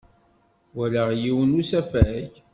Walaɣ yiwen n usafag.